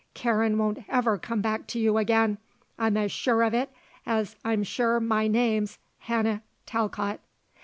Karen won't ever come back to you again, I'm as sure of it as I'm sure my name's Hannah Talcott."